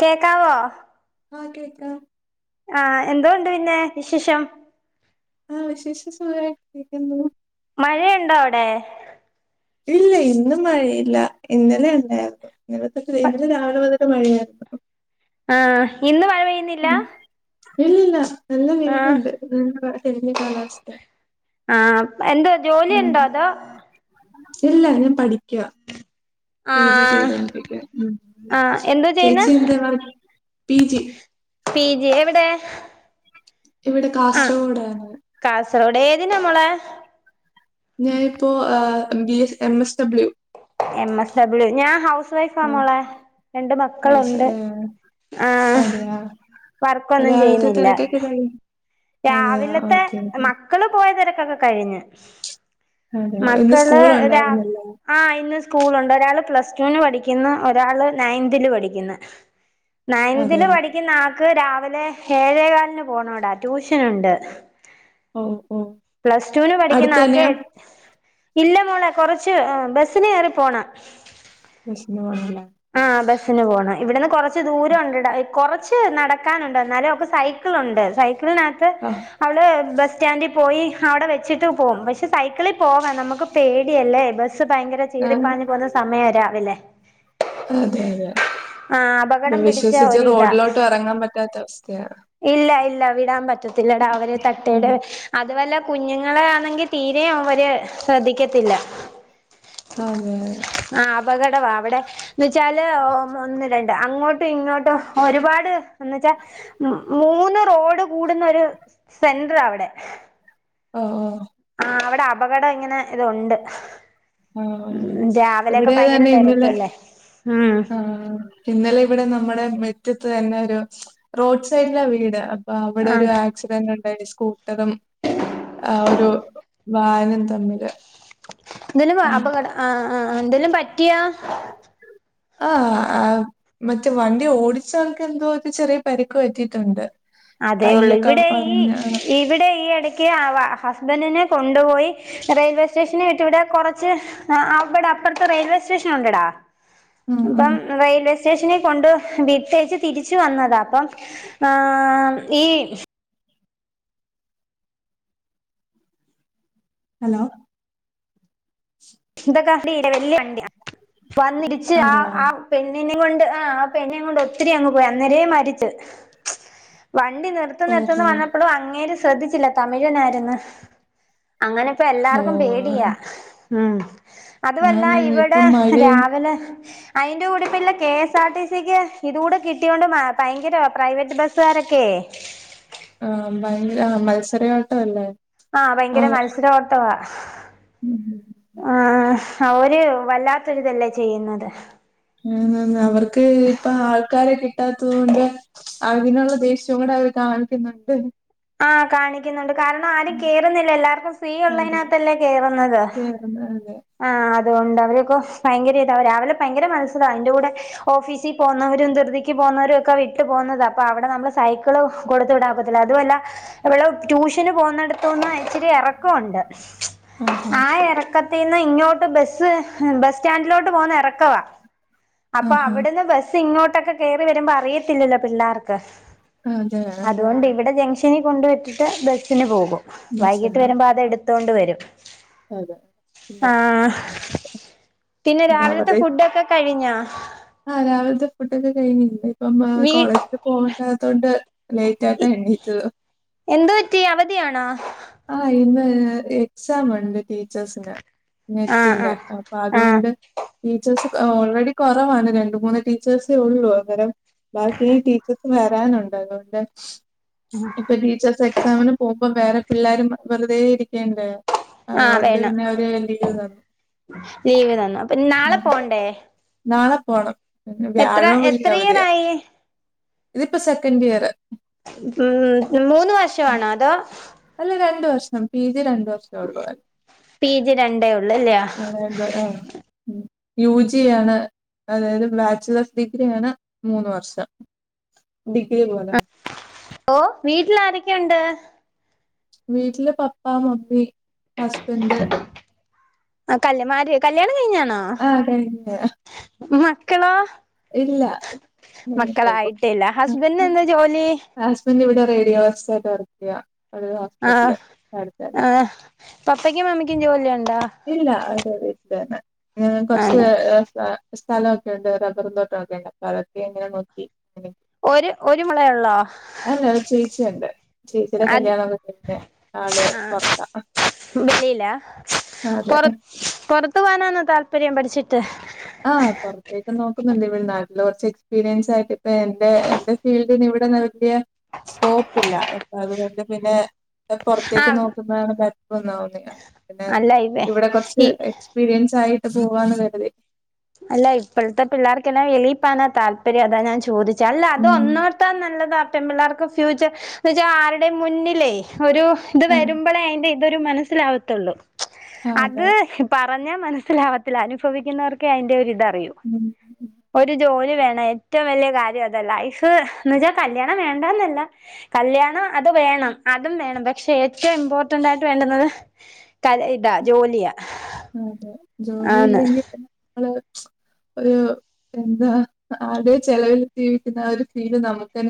കേക്കാവോ ആഹ് കേക്കാം ആ എന്തോ ഉണ്ട് പിന്നെ വിശേഷം ആഹ് വിശേഷം സുഖമായിട്ടിരിക്കുന്നു മഴയുണ്ടോ അവിടെ ഇല്ല ഇന്ന് മഴയില്ല ഇന്നലെ ഉണ്ടായിരുന്നു ഇന്നലെ രാവിലെ മുതൽ മഴയാ ആഹ് ഇന്ന് പെയ്യുന്നില്ല ഇല്ലില്ല നല്ല ആ വെയിലുണ്ട് തെളിഞ്ഞ കാലാവസ്ഥയാ ആ എന്താ ജോലി ഉണ്ടോ അതോ ഇല്ല ഞാൻ പഠി ക്കുവാ ആ പി ജി ചെയ്തോണ്ടിരിക്കുവാ ഉം ആ എന്തോ ചെയ്യുന്നെ ചേച്ചി എന്താ വർ പി ജി പി ജി എവിടെ ഇവിടെ കാസർഗോഡാന്ന് ന്നാ മോളെ ഞാനിപ്പോ ഏഹ് B S M S W M S W ഞാൻ ഹൗസ് വൈഫാ മോളേ രണ്ട് മക്കളൊണ്ട് ആഹ് അതെയാ വർക്കൊന്നും രാവിലത്തെ ചെയ്യ്ന്നില്ല തിരക്കൊക്കെ കഴിഞ്ഞോ അതെയാ രാവിലത്തെ ഓക്കെ ഓക്കെ മക്കള് പോയ തെര ക്കൊക്കെ കഴിഞ്ഞ് അതെയോ ഇന്ന് മക്കള് സ്കൂൾ രാ ഉണ്ടായിരുന്നല്ലേ ആഹ് ഇന്ന് സ്കൂളൊണ്ട് ഒരാള് പ്ലസ്ടുവിന് പഠിക്കുന്ന് ഒരാള് നയൺതില് പഠിക്കുന്ന് നയൺതില് അതെയാ പഠിക്കുന്ന ആക്ക് രാ വിലെ ഏഴേകാലിന് പോണം ഡാ ട്യൂഷനുണ്ട് ഓ ഓ പ്ലസ് ടുവിന് പഠിക്കുന്ന അടുത്ത് ആൾക്ക് തന്നെയാ എ ഇല്ല മോളെ കൊറച്ച് ബസ്സിന് കേറി പോണം ബസിന് പോണല്ലേ ആ ബസ്സിന് പോണം ഇവിടന്ന് കൊറച്ച് ദൂരം ഒണ്ടെടാ കൊറച്ച് നടക്കാനൊണ്ട് എന്നാലും അവൾക്ക് സൈക്കളൊണ്ട് സൈ ക്കിൾനാത്ത് ആഹ് അവള് ബസ് റ്റാൻഡി പോയി അവിടെ വെച്ചിട്ട് പോകും പക്ഷെ സൈക്കിളി പോവാം നമുക്ക് പേടിയല്ലേ ബസ്സ് ഭയങ്കര ആഹ് ചീറിപ്പാഞ്ഞു പോകുന്ന സമയാ രാവിലെ അതെ അതെ ആഹ് ഇപ്പൊ അപകടം പിടിച്ച വിശ്വസിച്ച് ഒരിതാ റോഡിലോട്ടു ഇറങ്ങാൻ പറ്റാത്ത അവസ്ഥയാണ് ഇല്ല ഇല്ല വിടാൻ പറ്റ ത്തില്ലഡാ അവര് ഉം തട്ടേടെ അതുവല്ലാ കുഞ്ഞുങ്ങളെ ആന്നെങ്കി തീരെ അവര് ശ്രദ്ധിക്കത്തില്ല അതെ അപകടവാ വടെ ചാല് ഓ ഒന്ന് രണ്ട് അങ്ങോട്ടും ഇങ്ങോട്ടും ഒര്പാട് എന്ന്ച്ചാ മ് മൂന്ന് റോഡ് കൂടുന്ന ഒരു സെണ്ട്രാവ് തെ ഒ ഓ ആ വടെ അപകടം ഇങ്ങനെ ഇതുണ്ട് ആഹ് ഉം രാവിലെയൊക്കെ ഇവിടെല്ലാം ഭയങ്കര ഇന്നലെ തിരക്കല്ലേ ഉം ആ ഇന്നലെ ഇവിടെ നമ്മടെ മെ റ്റ് തന്നെ ഒരു റോഡ് സൈഡില വീട് പ്പ വെടെ ആ ഒരു ആക്സിഡന്റ് ണ്ടായിനി സ്കൂട്ടറും ആ ഒരു വാനും തമ്മില് ഇതിന് വ ഉം അപകട ആ ആ ന്തേലു പ റ്റ്യാ ആഅം മറ്റേ വണ്ടി ഓടിച്ചാൾക്ക് എന്തോര് ചെറിയ പരുക്ക് വറ്റീട്ടുണ്ട് അതേ ഉള്ളു ഇവിടെ ഈ ഇവിടെ ഈ ഇടക്ക് അ വ ഹസ്ബൻറിന് കൊണ്ടുപോയി റെയിൽവേ സ്റ്റേഷനിൽ വിട്ടുവിടുവാ കുറച്ച് അവിടെ അപ്പറത്തെ റെയിൽവേ സ്റ്റേഷൻ ഉണ്ട്ടാ ഉം ഉം അപ്പം റെയിൽവേ സ്റ്റേ സ്റ്റേഷെനീ കൊണ്ട്പോയി വിട്ടേച്ച് തിരിച്ച് വന്നതാ അപ്പം ആ ഈ ഹലോ ഇതൊക്കെ ഫ്രീ ട വല്യ വണ്ടിയാ വന്നിരിച്ച് ആ അതെയോ ആ പെണ് പെണ്ണിനേം കൊണ്ട് ആ ആപ്പെണ്ണിനേം കൊണ്ട് ഒത്തിരി അങ്ങ് പോയി അന്നേരേ മരിച്ച് വണ്ടി നിർത്ത് ഓഹോ നിർത്തെന്നു പറഞ്ഞപ്പോഴും അങ്ങേര് ശ്രദ്ധിച്ചില്ല തമിഴനായിരുന്നു അങ്ങനെപ്പ ഓ എല്ലാർക്കും പേടിയാ ഉം അതുമല്ല ആന്ന് ഇപ്പൊ ഇവിടെ മഴയും രാവിലെ അയിന്റെ കൂടിപ്പില്ല കെ എസ് ആർടി സിക്ക് ഇത് കൂടെ കിട്ടിയൊണ്ട് ഭയങ്കരവാ പ്രൈവറ്റ് ബസ്സുകാരൊക്കെ ആ ഭയ ആ മത്സരയോട്ടം അല്ലേ ആഹ് ഭയങ്കര മത്സര ഓട്ടവാ ഉം ഹ ആ ഒരു വല്ലാത്തൊരിതല്ലേ ചെയ്യുന്നത് ആന്നാന്ന് ആവർ- ക്ക് ഇപ്പ ആൾക്കാരെ കിട്ടാത്തത് കൊണ്ട് അതിനുള്ള ദേഷ്യവും കൂടെ അവര് കാണിക്കുന്നുണ്ട് ആഹ് കാണിക്കുന്നുണ്ട് കാരണം ആരും ഉം, കേറുന്നില്ല എല്ലാവർക്കും സ്ത്രീ അതെ ഉള്ളതിനകത്തല്ലേ കേറുന്നത് കേറുന്ന അതെ ആ അതുകൊണ്ട് അവരൊക്കെ ഭയങ്കര ഇത അവര് അവരെ ഭയങ്കര മത്സരമാണ് അയിന്റെ കൂടെ ഓഫീസിൽ പോകവരും ധൃതിക്ക് പോകുന്നവരും ഒക്കെ വിട്ടു പോന്നതാഅപ്പ അവിടെ നമ്മൾ സൈക്കിള് കൊടുത്ത വിടാൻ പറ്റത്തില്ല അതുമല്ല- എവള് ട്യൂഷന് പോകുന്നിടത്തുന്ന് ഇച്ചിരി എറക്കം ഉണ്ട്- ആഹാ ആ എറക്ക ത്തീന്ന് ഇങ്ങോട്ട് ബസ് ബസ് സ്റ്റാൻഡിലോട്ട് പോകന്ന് ഇറക്കവാ- അപ്പൊ ആഹാ അവിടുന്ന് ബസ് ഇങ്ങോട്ട് ടൊക്കെ കേറി വരുമ്പോ അറിയത്തില്ലല്ലോ പിള്ളേർക്ക് അതെ അതുകൊണ്ട് ഇവിടെ ജ ഗ്ഷനി കൊണ്ടുവച്ചിട്ട് ബസ്സിന് പോകും വൈകിട്ട് ബസ്സിലോ വരുമ്പോ അത എടു കൊണ്ട വരും അതെ ഉം. ആഹ് പിന്നെ രാവിലത്തെ ഫുഡൊക്കെ കഴി ഞാ [unintelligible] ആ രാവിലത്തെ ഫുട്ടോക്കെ കഴിഞ്നി ഇപ്പം വീ കോളേജില് പോകണ്ടതൊണ്ട് ലേറ്റ് ആയിട്ടാ എണിറ്റത് എന്തു പറ്റി അവധിയാണാ ആ ഇന്ന് എക്സാം ഉണ്ട് ടീച്ചേഴ്സിന് ആഹ് നെറ്റിന്റെ ആഹ് അപ്പൊ ആഹ് അതുകൊണ്ട് ഫീച്ചേഴസ് ഓൾറെഡി കൊറവാണ്- രണ്ട് മൂന്ന് ടീച്ചേഴ്സേ ഉള്ളു അങ്ങരം ബാക്കി ടീച്ചേഴസ് വരാനുണ്ട് അതുകൊണ്ട് ഇപ്പൊ ടീച്ചേഴസ് എക്സാമിന് പോകുമ്പോ വേറെ പിള്ളോരും വെറുതെ ഇരിക്കേണ്ടേ ആഹ വേണം ലീവ് തന്നു അപ്പൊ നാളെ ഉം. പോണ്ടേ നാളെ പോണം പിന്നെ എത്ര വ്യാഴവും വെള്ളി എത്ര ഇയർ അവധിയാ ആയി ഇതിപ്പോ സെക്കൻഡ് ഇയർ ഉ മൂന്ന് വർഷമാണോ അതോ അല്ല രണ്ട് വർഷം പി ജി രണ്ട് പ്രശ്നോള്ളു അ പി ജി രണ്ടേ ഉള്ളൂ അല്ലയോ എന്ത ആ യു ജി ആണ് അതായത് ബാച്ചലേസ് ഡിഗ്രി ആണ് മൂന്ന് വർഷം ഡിഗ്രി പോലെ ഓ വീട്ടിൽ ആരൊക്കെയുണ്ട് വീട്ടില് പപ്പാ മമ്മി ഹസ്ബൻഡ് [unintelligible] കല്യാണം കഴിഞ്ഞാ ആ കഴിഞ്ഞ് [unintelligible] മക്കളോ ഇല്ല മക്കളായിട്ടില്ല ഹസ്ബൻഡിന് [unintelligible] എന്താ ജോലി ഹസ്ബൻഡ് ഇവിടെ റേഡിയോ ഓഫീസറായിട്ട് വർ ക്കെയ്യാ ആ ആ പപ്പയ്ക്കും മമ്മിക്കും ജോലിയെ ഇല്ല അവര് വിട്ടില്തന്നെ ഞങ്ങക്ക് കുറച്ച് ആണ് ഏഹ് സ സ്ഥലൊ ണ്ട് റബ്ബറും തോട്ടോക്കെ എണ്ട് അപ്പൊ അതക്കെ ഇങ്ങനെ നോക്കി ഒര് ഒരു മോളേ ഒള്ളോ അല്ല ഒരു ചേച്ചിയുണ്ട് ചേച്ചിയുടെ അത് കല്യാണൊക്കെ കഴിഞ്ഞ് ആള് ആ പൊറത്താ വെളിയിലാ അതെ പൊറത് പൊറത്തു പോകാനാന്നോ താൽ പര്യം പഠിച്ചിട്ട് ആ പൊറത്തേക്ക് നോക്കുന്നുണ്ട്. ഇവിടെ നാട്ടില് കൊറച്ച് എക്സ്പീരിയൻസ് ആക്കീട്ട് എന്റെ എന്റെ ഫീൽഡിന് ഇവിടൊന്നും വലിയ സ്കോപ്പ് ഇല്ല. അപ്പ അതുകൊണ്ട് പിന്നേ പൊറത്തേക്ക് ആഹ് നോക്കുന്നതാണ് [unintelligible] പിന്നെ അല്ല ഇവേ ഇവിടെ കൊറച്ച് ഈ എക്സ്പീരിയൻസ് ആയി പോവാണ് കരുതി അല്ല ഇപ്പെഴ്ത്തെ പിള്ളേർക്ക് എന്നാ വിളിപ്പാനാ താല്പര്യം അതാ ഞാൻ ചോദിച റ്റല്ല അത് ഉം ഒന്നോർത്താൻ നല്ലതാ പെൺ പിള്ളേർക്ക് ഫ്യൂച്ചർ എന്ന് വച്ചാ ആരുടെ മുന്നിലേ ഒരു ഇത് വരുമ്പളെ അയ്ന്റെ ഇത് ഇതൊരു മനസ്സിലാവത്തുള്ളൂ ആഹ് അത് അതെ ഇപ്പ [unintelligible] ഞാൻ മനസ്സിലാവത്തില്ല അനുഭവിക്കുന്നവർക് ക്കെ അയ്ന്റെ ഒര് ഇത യൊ ഉം ഒരു ജോലി വേണം ഏറ്റം വല്യകാര്യഅതല്ല ഇഷു [unintelligible] ഇന്ന് വെച്ചാൽ കല്യാണം വേണ്ടന്നല്ല കല്യാണം അത് വേണം അതും വേണം വെക്ഷെ ഏറ്റവും ഇമ്പോർട്ടന്റ് ആയിട്ട് വേണ്ടുന്നത് കല്ല്യ ഇതാ ജോല്യാ ഉം ഹ് ജോലിയില്ലെങ്കിൽ നമ--ള് ഒരു എന്താ ആതേ ചെലവിൽ ജീവിക്കുന്ന ഒരു ഫീല് നമുക്ക്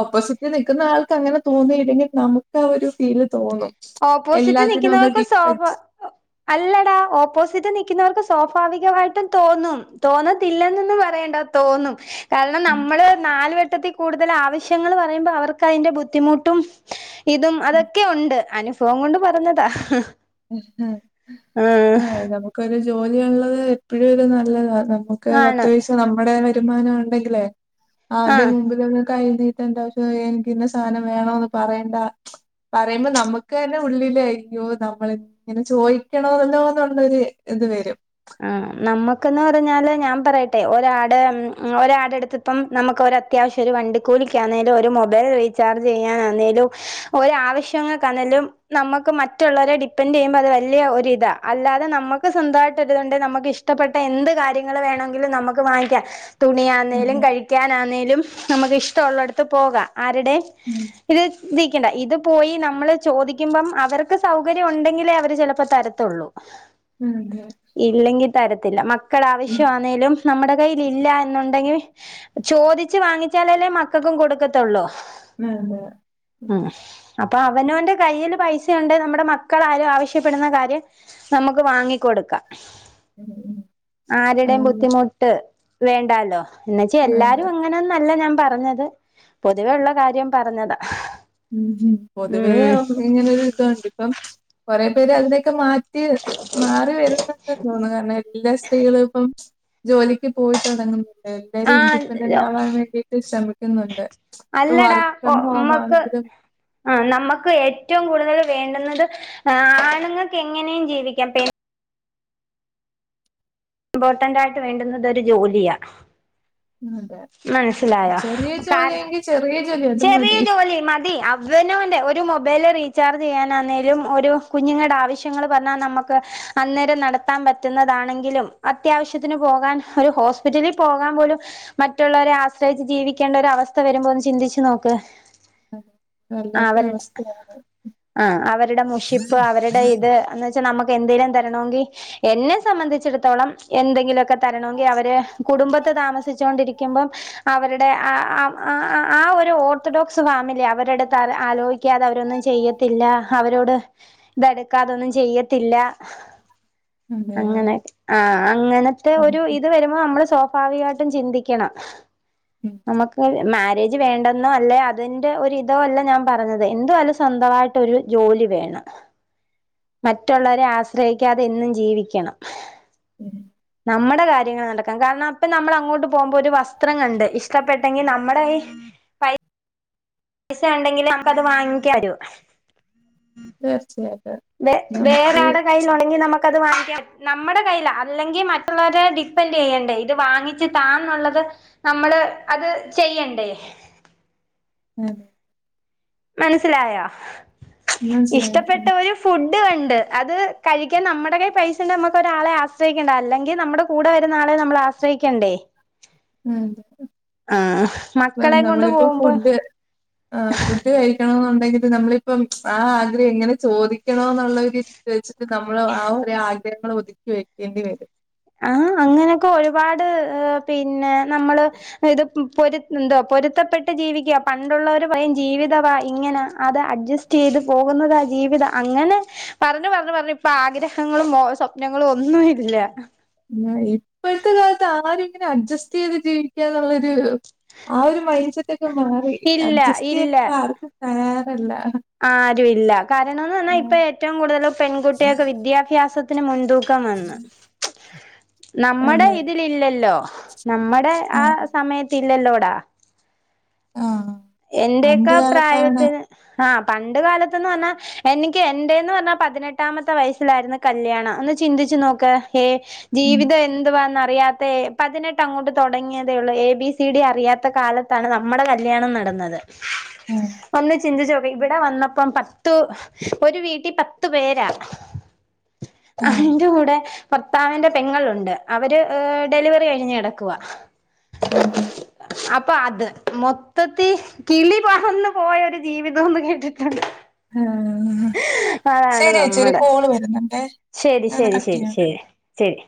ഓപ്പോസിറ്റിൽ നിൽക്കുന്ന ആൾക്ക് അങ്ങനെ തോന്നിയില്ലെങ്കിൽ നമുക്ക് ആ ഒരു ഫീല് തോന്നും. ഓപ്പോസിറ്റ് എല്ലാത്തിനും ഒന്ന് നിക്ക്യുന്നവർക്ക് സോഭ ഡിപ്പെൻഡ് അല്ലടാ ഓപ്പോസിറ്റ് നൽിക്കുന്നവർക്ക് സ്വാഭാവികമായിട്ടും തോന്നും തോന്നത്തില്ലെന്നൊന്നന്ന് പറയണ്ട തോന്നും കാരണം ഉം നമ്മള് നാല് വെട്ടത്തിൽ കൂടുതൽ ആവശ്യങ്ങൾ പറയുമ്പോൾ അവർക്ക് അതിൻ്റെ ബുദ്ധിമുട്ടും ഇതും ഉം. അതൊക്കെ ഉണ്ട് അനുഭവം കൊണ്ട് പറഞ്ഞതാ ആ ഉം ആ ആ നമുക്കൊരു ജോലിയുള്ളത് എപ്പോഴും ഒരു നല്ലതാ നമുക്ക് പത്ത് ആണ് പൈസാ നമ്മുടെ തീരുമാനം ഉണ്ടെങ്കിലേ ആരുടെ ആഹ് മുമ്പിലൊന്നും കൈ വീട്ടിലെന്താവശ്യം എനിക്കിന്ന സാനം വേണോന്ന് പറയേണ്ട പറയുമ്പോ നമുക്ക് തന്നെ ഉള്ളില അയ്യോ മ്മള ഇങ്ങനെ ചോയ്ക്കണോല്ലോന്നുള്ളരു ഇത് വരും ആ നമ്മുക്കന്ന് പറഞ്ഞാല് ഞാൻ പറയട്ടെ ഒരാട് ഒരാടെ അടുത്തപ്പം നമുക്ക് ഒരത്യാവശ്യം ഒരു വണ്ടിക്കൂലിക്കാന്നേലും ഒരു മൊബൈൽ റീചാർജ് ചെയ്യാനാന്നേലും ഒരാവശ്യങ്ങൾക്കാന്നേലും നമ്മക്ക് മറ്റുള്ളവരെ ഡിപ്പെന്റ് ചെയ്യുമ്പോ അത് വല്യ ഒരിതാ അല്ലാതെ നമ്മുക്ക് സ്വന്തമായിട്ട ണ്ട് നമുക്ക് ഇഷ്ടപ്പെട്ട എന്ത് കാര്യങ്ങള് വേണമെങ്കിലും നമുക്ക് വാങ്ങിക്കാം തുണിയാന്നേലും അതെ. കഴിക്കാനാന്നേലും നമുക്ക് ഇഷ്ടമുള്ളടുത്ത് പോകാം ആരുടെ ഉം. ഇത് ദി ണ്ട ഇത് പോയി നമ്മള് ചോദിക്കുമ്പം അവർക്ക് സൗകര്യം ഉണ്ടെങ്കിലേ അവര് ചിലപ്പോ തരത്തുള്ളൂ ഉം തെ ഇല്ലെങ്കിൽ തരത്തില്ല മ മക്കള ആവശ്യമാന്നേലും നമ്മുടെ കയ്യിലില്ല എന്നുണ്ടെങ്കിൽ ചോദിച്ചു വാങ്ങിച്ചാലല്ലേ മക്കൾക്കും കൊടുക്കത്തുള്ളൂ [unintelligible] അപ്പോ അവനവന്റെ കയ്യില് പൈസയുണ്ടേ നമ്മുടെ മക്കളാരും ആവശ്യപ്പെടുന്ന കാര്യം നമുക്ക് വാങ്ങി കൊടുക്കാം ഉം. ആരുടെയും അതെ. ബുദ്ധിമുട്ട് വേണ്ടാലോ എന്നുവെച്ച് എല്ലാരും അതെ. അങ്ങനൊന്നല്ല ഞാൻ പറഞ്ഞത് അത് പൊതുവെയുള്ള കാര്യം പറഞ്ഞതാ ഉം പൊതുവേ ഉം ഇങ്ങനെരു ഇതുണ്ടിപ്പം കൊറേ പേര് അതിനൊക്കെ മാറ്റ മാറി വരുന്നണ്ടെന്ന് തോന്നുന്നു കാരണം എല്ലാ സ്ത്രീകളും ഇപ്പം ജോലിക്ക് പോയി തുടങ്ങ് എല്ലാരും ഇൻഡിപെൻഡന്റ് ആ ആവാൻ വേണ്ടിട്ട് ശ്രമിക്കുന്നുണ്ട് ഇ അല്ലടാ വർക്ക് ഒ ഫ്രം ഹോം മ്മക്ക് ആണെങ്കിൽ ആ നമ്മക്ക് ഏറ്റവും കൂടുതൽ വേണ്ടുന്നത് ആണുങ്ങക്ക് എങ്ങനെയും ജീവിക്കാം പെണ്ണ് ഇമ്പോർട്ടന്റ് ആയിട്ട് വേണ്ടുന്നത് ഒരു ജോലിയാ അതെ മനസിലായോ ചെറിയ ജോലിയെങ്കി ചെറിയ ജോലി അത് ചെറിയ മതി. ജോലി മതി അവനന്റെ ഒരു മൊബൈൽ മൊബൈല് റീചാർജ് ചെയ്യാൻ ആന്നേലും ഒരു കുഞ്ഞുങ്ങളുടെ ആവശ്യങ്ങൾ പറഞ്ഞാൽ നമ്മുക്ക് അന്നേരം നടത്താൻ പറ്റുന്നതാണെങ്കിലും അത്യാവശ്യത്തിന് പോകാൻ ഒരു ഹോസ്പിറ്റലിൽ പോകാൻ പോലും മറ്റുള്ളവരെ ആശ്രയിച്ച് ജീവിക്കേണ്ട ഒരു അവസ്ഥ വരുമ്പോന്ന് ചിന്തിച്ചു നോക്ക് അതെ, അവര് വല്ലാത്തൊരവസ്ഥയാണ്. ആ അവരുടെ മുഷിപ്പ് അവരുടെ ഇത് എന്നുവച്ച് നമ്മുക്ക് എന്തെലിലും തരണമെങ്കിൽ എന്നെ സംബന്ധിച്ചിടത്തോളം എന്തെങ്കിലുമൊക്കെ തരണമെങ്കിൽ അവര് കുടുംബത്ത് താമസിച്ചൊണ്ടിരിക്ക ക്ക്മ്പം അവരുടെ ആ ആ ഒരു ഓർത്തഡോക്സ് ഫാമിലി അവരടുത്ത് ആലോചിക്കാതെ അവരൊന്നും ചെയ്യത്തില്ല അവരോട് ഇതടുക്കാതൊന്നും ചെയ്യത്തില്ല. അതെ ആ, അങ്ങനെ ആ അങ്ങനത്തെ ഉം, ഒരു ഇത് വരുമ്പോ നമ്മള് സ്വയം പാവിയാട്ടും ചിന്തിക്ക് കിണം ഉം, നമ്മുക്ക് മാറ്റ് ജ് വേണ്ടെന്നോ അല്ലെ അതിന്റെ ഒ ഇതോ അല്ല ഞാൻ പറഞ്ഞത് എന്തു ആലും സ്വന്തമായിട്ട് ഒരു ജോലി വേണം മറ്റുള്ളവരെ ആശ്രയിക്കാതെ എന്നും ജീവിക്കണം ഒന്നും കേൾക്കുന്നില്ല നമ്മുടെ കാര്യങ്ങൾ നടക്കാം കാരണം അപ്പം നമ്മൾ അങ്ങോട്ട് പോകുമ്പോ ഒരു വസ്ത്രം കണ്ട് ഇഷ്ടപ്പെട്ടെങ്കിൽ നമ്മുടെ കൈ പൈസ പൈസ ഉണ്ടെങ്കിൽ നമ്മുക്ക് അത് വാങ്ങിക്കാരൂ തീർച്ചയായും വെ വേറെ ആടെ കയ്യിലാണെങ്കിൽ നമ്മുക്ക് നമ്മുക്കത് വാങ്ങിക്ക നമ്മുടെ കൈയ്യില അല്ലെങ്കിൽ മറ്റുള്ളവരെ ഡിപ്പെൻഡ് ചെയ്യണ്ടേ ഇത് വാങ്ങിച്ചു താന്നുള്ളത് നമ്മള് അത് ചെയ്യണ്ടേ ഉം മനസ്സിലായാ മനസ്സിലായ ഇഷ്ടപ്പെട്ട ഉം, ഒരു ഫുഡ് കണ്ട് ണ്ട് അത് കഴിക്കാൻ നമ്മുടെ കൈ പൈസണ്ട് നമ്മക്ക് ഒരാളെ ആശ്രയിക്കണ്ട അല്ലെങ്കിൽ നമ്മുടെ കൂടെ വരുന്ന ആളെ നമ്മൾ ആശ്രയിക്കണ്ടേ ഉം ആഹ് അ മക്കളെ കൊണ്ട് നമ്മളിപ്പോ പോകുമ്പോ ഫുഡ് ആ ഫുഡ് കഴി എന്നണ്ടെങ്കിൽ നമ്മളിപ്പം ആ ആഗ്രഹം എങ്ങനെ ചോദിക്കണോ എന്നുള്ള ഒരു രീതിൽ വെച്ചിട്ട് നമ്മൾ ആ ഒരു ആഗ്രഹങ്ങൾ ഒതുക്കി വെക്കേണ്ടി വരു ആ അങ്ങനെയൊക്കെ ഒരു പാട് പിന്നെ നമ്മള് ഇത് പൊരു എന്തോ പൊരുത്തപ്പെട്ട് ജീവിക്കുക പണ്ടുള്ളവർ പറയും ജീവിതവാ ഇങ്ങനെ അത് അഡ്ജസ്റ്റ് ചെയ്ത് പോകുന്നതാ ജീവിതം അങ്ങനെ പറഞ്ഞ് പറഞ്ഞ് പറഞ്ഞ് ഇപ്പൊ ആഗ്രഹങ്ങളും സ്വപ്നങ്ങളും ഒന്നും ഇല്ല ന്നാ ഇപ്പോഴത്തെ കാലത്ത് ആരും ഇങ്ങനെ അഡ്ജസ്റ്റ് ചെയ്ത് ജീവിക്കാന്നുള്ളൊരു. ആ ഒരു മൈൻ സെറ്റ് ഒക്കെ മാറി ഇല്ല അഡ്ജസ്റ്റ് ചെയ്യേൻ ഇല്ല ഇപ്പ ആർക്കും വേറെല്ല ആരും ഇല്ല കാരണം എന്ന് പറഞ്ഞാ ഇപ്പൊ ഏറ്റവും കൂടുതൽ പെൺകുട്ടികൾക്ക് വിദ്യാഭ്യാസത്തിന് മുൻതൂക്കം വന്ന് നമ്മുടെ അതെ അതെ. ഇതില് ഇല്ലല്ലോ നമ്മുടെ ആ സമയത്ത് ഇല്ലല്ലോടാ ആ പണ്ട് എന്റെയൊക്കെ കാലത്താണ് പ്രായത്തിന് ആഹ് പണ്ട് കാലത്ത്ന്ന് പറഞ്ഞാ എനിക്ക് എന്റെയെന്ന് പറഞ്ഞാ പതിനെട്ടാമത്തെ വയസ്സിലായിരുന്നു കല്യാണം ഒന്ന് ചിന്തിച്ചു നോക്ക്. ഹേ ഉം ജീവിതം എന്തുവാന്ന റിയാത്തെ പതിനെട്ട് അങ്ങോട്ട് തുടങ്ങിയതേ ഒള്ളൂ എ ബി സി ഡി അറിയാത്ത കാലത്താണ് നമ്മുടെ കല്യാണം ന ടന്നത് ഉം ഒന്ന് ചിന്തിച്ചു നെ ഇവിടെ വന്നപ്പം പത്തു ഒരു വീട്ടിൽ പത്ത് പേരാ. ആ. അയിന്റെ കൂടെ ഭർത്താവിന്റെ പെങ്ങളുണ്ട് അവര് ഡെലിവറി കഴിഞ്ഞ് കെടക്കുവാ. ആഹാ പ്പം അത് മൊത്ത ത്തി കിളി പറന്നു പോയ ഒരു ജീവിതൊന്നും കേട്ടിട്ടുണ്ട് ഹാ അതാണ് നമ്മടെ കോള് വരുന്നുണ്ടേ. ശരി ഞാനൊന്ന് ശരി കട്ട് ശരി ചെയ്യാം. ശരി ശരി